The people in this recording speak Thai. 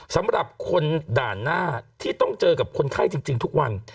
สำหรับคนด่านหน้าที่ต้องเจอกับคนไข้จริงทุกวัน